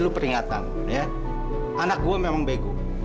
lalu udah pergi